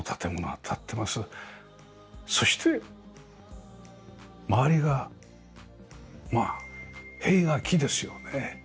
そして周りが塀が木ですよね。